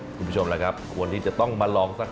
คุณผู้ชมครับ